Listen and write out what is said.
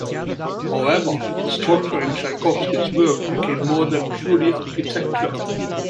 However, structure in Tchaikovsky's work became more than purely architecture.